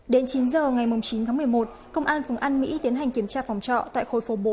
đến chín giờ ngày chín tháng một mươi một công an phường an mỹ tiến hành kiểm tra phòng trọ tại khối phố bốn